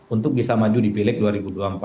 untuk bisa maju di pileg dua ribu dua puluh empat